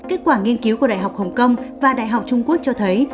kết quả nghiên cứu của đại học hồng kông và đại học trung quốc cho thấy